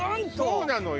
そうなのよ。